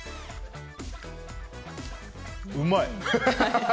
うまい。